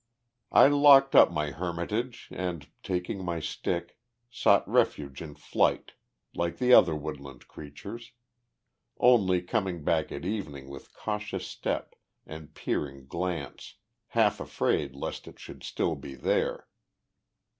I locked up my hermitage, and, taking my stick, sought refuge in flight, like the other woodland creatures; only coming back at evening with cautious step and peering glance, half afraid lest it should still be there.